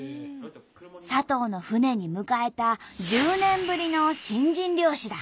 佐藤の船に迎えた１０年ぶりの新人漁師だ。